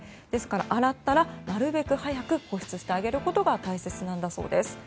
ですから、洗ったらなるべく早く保湿してあげるのが大切なんだそうです。